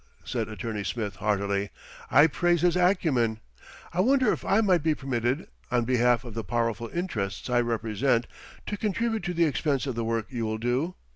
said Attorney Smith heartily. "I praise his acumen. I wonder if I might be permitted, on behalf of the powerful interests I represent, to contribute to the expense of the work you will do?"